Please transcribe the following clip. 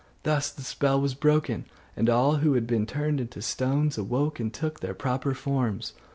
Thus the spell was broken, and all who had been turned into stones awoke, and took their proper forms.